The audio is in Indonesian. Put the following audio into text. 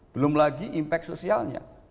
belum lagi impact sosialnya